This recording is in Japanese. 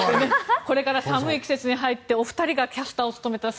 これから寒い季節に入ってお二人がキャスターになったら